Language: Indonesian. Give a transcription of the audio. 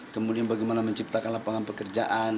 kemudian bagaimana menciptakan lapangan pekerjaan